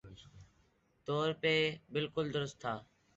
طور پہ بالکل درست تھا